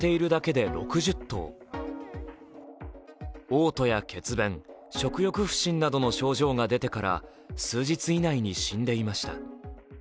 おう吐や血便、食欲不振などの症状が出てから数日以内に死んでいました。